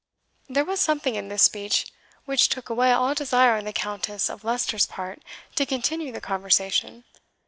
There was something in this speech which took away all desire on the Countess of Leicester's part to continue the conversation.